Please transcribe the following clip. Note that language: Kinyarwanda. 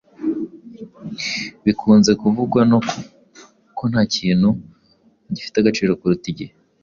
Bikunze kuvugwa ko ntakintu gifite agaciro kuruta igihe.